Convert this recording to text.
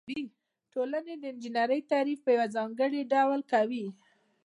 ټولنې د انجنیری تعریف په یو ځانګړي ډول کوي.